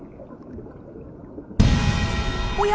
おや？